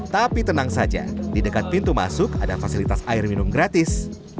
tapi tenang saja di dekat pintu masuk ada fasilitas air minum gratis